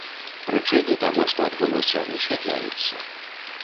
Прычыны таго, што адбылося высвятляюцца.